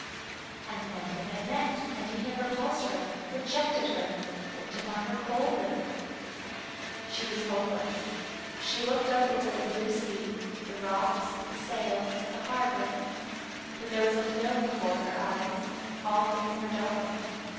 And then they had met and he had repulsed her, rejected her, looked upon her coldly ! She was hopeless. She looked out over the blue sea, the rocks, the sails, the harbor, but there was a film before her eyes, all things were darkened.